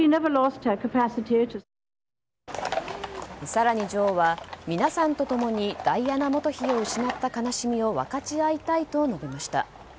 更に女王は皆さんと共にダイアナ元妃を失った悲しみを分かち合いたいと述べました。